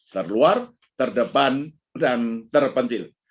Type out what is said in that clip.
terluar terdepan dan terpencil